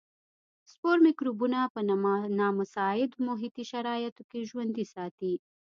سپور مکروبونه په نامساعدو محیطي شرایطو کې ژوندي ساتي.